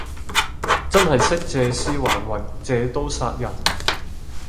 真係識借屍還魂，借刀殺人